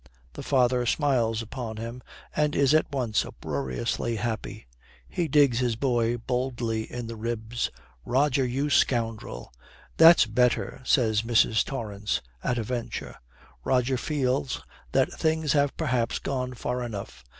The father smiles upon him and is at once uproariously happy. He digs his boy boldly in the ribs. 'Roger, you scoundrel!' 'That's better,' says Mrs. Torrance at a venture. Roger feels that things have perhaps gone far enough.